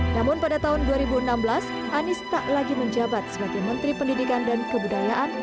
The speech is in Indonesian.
namun pada tahun dua ribu enam belas anies tak lagi menjabat sebagai menteri pendidikan dan kebudayaan